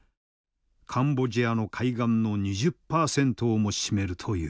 カンボジアの海岸の２０％をも占めるという。